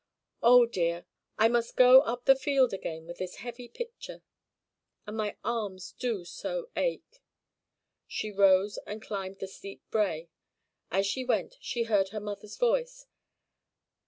Oh dear! I must go up the field again with this heavy pitcher, and my arms do so ache!" She rose and climbed the steep brae. As she went she heard her mother's voice.